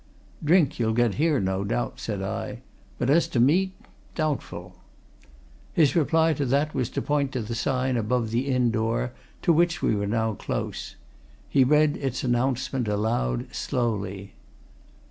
"Drink you'll get here, no doubt," said I. "But as to meat doubtful." His reply to that was to point to the sign above the inn door, to which we were now close. He read its announcement aloud, slowly.